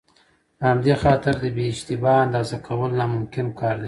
په همدې خاطر د بې اشتباه اندازه کول ناممکن کار دی.